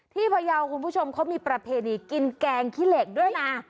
พยาวคุณผู้ชมเขามีประเพณีกินแกงขี้เหล็กด้วยนะ